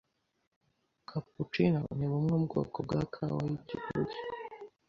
capuccino ni bumwe mu bwoko bwa “kawa y’ikivuge”